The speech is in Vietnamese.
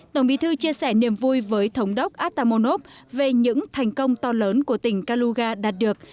tổng bí thư chia sẻ niềm vui với thống đốc atamonov về những thành công to lớn của tỉnh kaluga đạt được